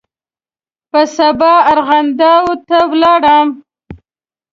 په سبا ارغنداو ته ولاړم.